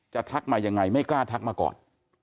ทักมายังไงไม่กล้าทักมาก่อน